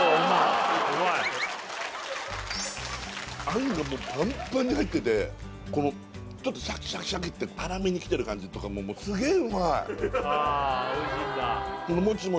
あんがもうパンパンに入っててこのちょっとシャキシャキシャキって粗めにきてる感じとかもうすげえうまい！